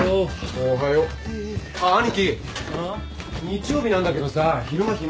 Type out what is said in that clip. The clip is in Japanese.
日曜日なんだけどさ昼間暇？